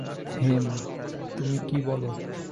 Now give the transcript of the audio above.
হেম, তুমি কী বল?